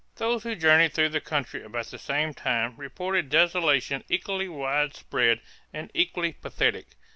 Those who journeyed through the country about the same time reported desolation equally widespread and equally pathetic.